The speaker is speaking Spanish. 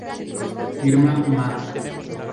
Irma Ma.